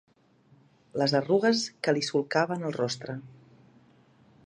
Les arrugues que li solcaven el rostre.